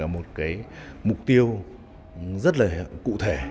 một mục tiêu rất là cụ thể